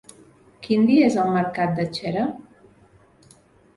Quin dia és el mercat de Xera?